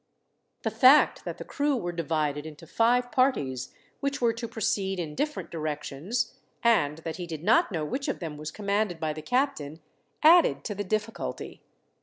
The fact that the crew were divided into five parties, which were to proceed in different directions, and that he did not know which of them was commanded by the captain, added to the difficulty.